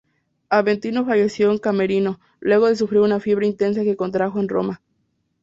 Aventino falleció en Camerino, luego de sufrir una fiebre intensa que contrajo en Roma.